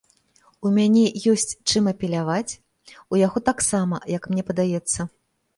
У мяне ёсць, чым апеляваць, у яго таксама, як мне падаецца.